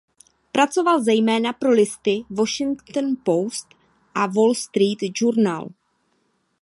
Pracoval zejména pro listy Washington Post a Wall Street Journal.